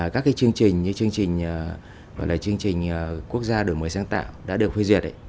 các chương trình như chương trình quốc gia đổi mới sáng tạo đã được khuyên duyệt